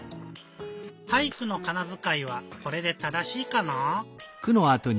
「体育」のかなづかいはこれで正しいかな？